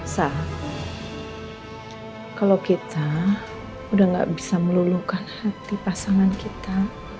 sah kalau kita udah gak bisa melulukan hati pasangan kita